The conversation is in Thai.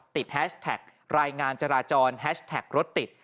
แฮชแท็กรายงานจราจรแฮชแท็กรถติด